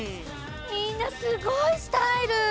みんなすごいスタイル！